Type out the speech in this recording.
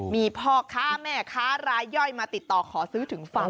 มีพ่อค้าแม่ค้ารายย่อยมาติดต่อขอซื้อถึงฟาร์ม